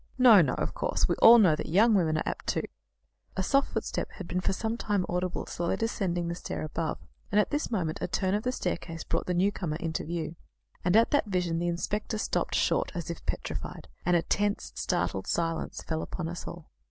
"No, no. Of course. We all know that young women are apt to " A soft footstep had been for some time audible, slowly descending the stair above, and at this moment a turn of the staircase brought the newcomer into view. And at that vision the inspector stopped short as if petrified, and a tense, startled silence fell upon us all.